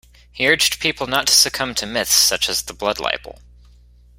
He urged people not to succumb to "myths" such as the blood libel.